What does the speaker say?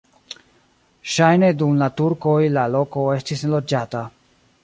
Ŝajne dum la turkoj la loko estis neloĝata.